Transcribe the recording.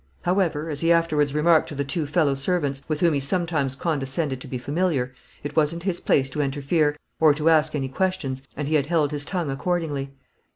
However, as he afterwards remarked to the two fellow servants with whom he sometimes condescended to be familiar, it wasn't his place to interfere or to ask any questions, and he had held his tongue accordingly.